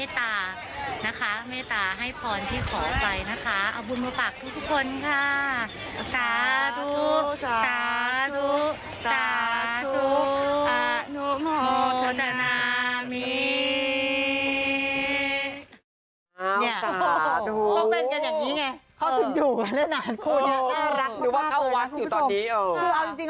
แต่ถ้าได้นะเดี๋ยวจะกลับมาอีกครั้งหนึ่ง